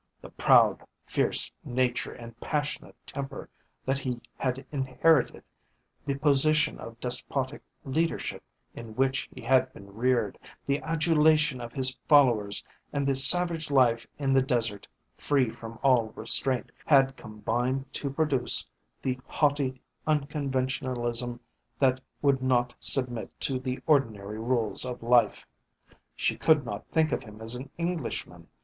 The proud, fierce nature and passionate temper that he had inherited, the position of despotic leadership in which he had been reared, the adulation of his followers and the savage life in the desert, free from all restraint, had combined to produce the haughty unconventionalism that would not submit to the ordinary rules of life. She could not think of him as an Englishman.